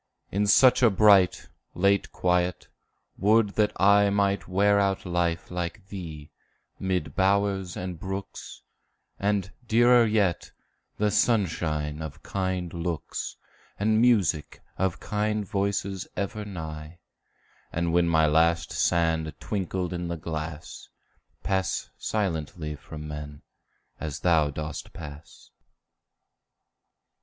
In such a bright, late quiet, would that I Might wear out life like thee, mid bowers and brooks, And, dearer yet, the sunshine of kind looks, And music of kind voices ever nigh; And when my last sand twinkled in the glass, Pass silently from men, as thou dost pass.